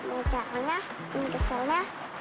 ini caranya ini keseulah